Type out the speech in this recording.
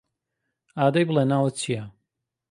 ئادەی بڵێ ناوت چییە؟